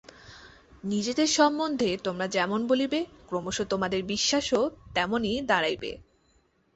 নিজেদের সম্বন্ধে তোমরা যেমন বলিবে, ক্রমশ তোমাদের বিশ্বাসও তেমনি দাঁড়াইবে।